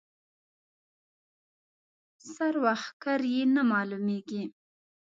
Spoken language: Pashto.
سر و ښکر یې نه معلومېږي.